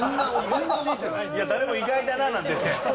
誰も「意外だな」なんて。